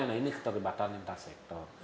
nah ini keterlibatan lintas sektor